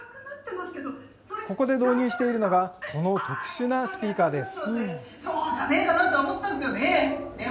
ここで導入しているのが、この特殊なスピーカーです。